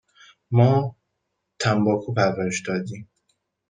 ما تنباکو پرورش دادیم.